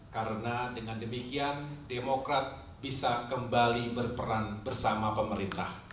karena dengan demikian demokrat bisa kembali berperan bersama pemerintah